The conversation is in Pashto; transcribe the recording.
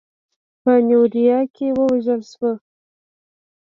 په نیویارک کې ووژل شو.